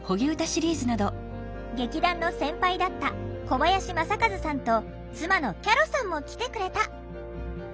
劇団の先輩だった小林正和さんと妻のキャ呂さんも来てくれた！